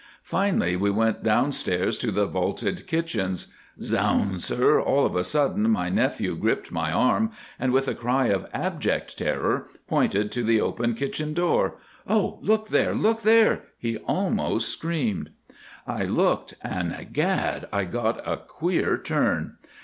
Finally, we went downstairs to the vaulted kitchens. Zounds, sir, all of a sudden my nephew gripped my arm, and with a cry of abject terror pointed to the open kitchen door. 'Oh, look there, look there!' he almost screamed. "I looked, and, gad, I got a queer turn.